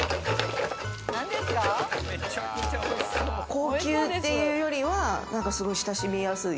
高級っていうよりは、なんか親しみやすい。